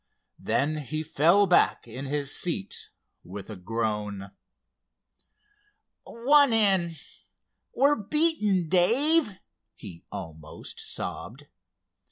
Then he fell back in his seat with a groan. "One in—we're beaten, Dave," he almost sobbed.